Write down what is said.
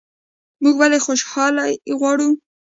موږ ولې خوشحالي غواړو؟